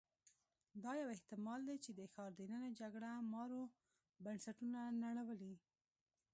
دا یو احتمال دی چې د ښار دننه جګړه مارو بنسټونه نړولي